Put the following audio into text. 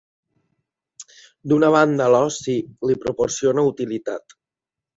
D'una banda, l'oci li proporciona utilitat.